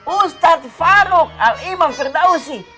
ustad faruk al imam firdausi